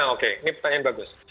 oke ini pertanyaan bagus